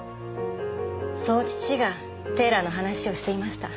そう父がテーラーの話をしていました。